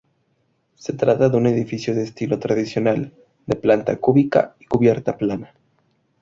Se trata de un edificio de estilo tradicional, de planta cúbica y cubierta plana.